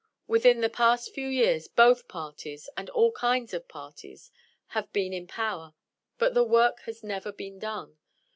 Within the past few years both parties, and all kinds of parties, have been in power; but the work has never been done.